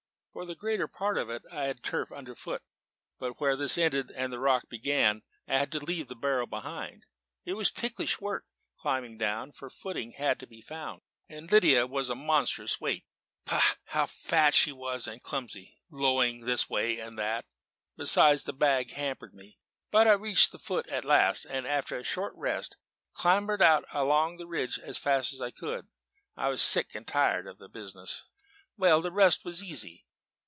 "For the greater part of it I had turf underfoot; but where this ended and the rock began, I had to leave the barrow behind. It was ticklish work, climbing down; for footing had to be found, and Lydia was a monstrous weight. Pah! how fat she was and clumsy lolling this way and that! Besides, the bag hampered me. But I reached the foot at last, and after a short rest clambered out along the ridge as fast as I could. I was sick and tired of the business. "Well, the rest was easy.